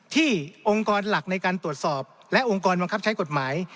องค์กรหลักในการตรวจสอบและองค์กรบังคับใช้กฎหมาย